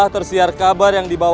hei siapa itu